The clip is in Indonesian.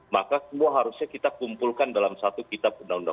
maka semua harusnya kita kumpulkan dalam satu kitab undang undang